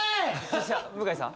向井さん？